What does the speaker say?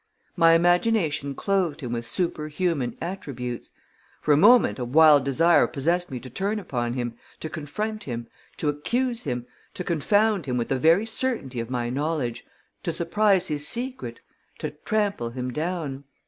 My imagination clothed him with superhuman attributes. For a moment a wild desire possessed me to turn upon him, to confront him, to accuse him, to confound him with the very certainty of my knowledge, to surprise his secret, to trample him down!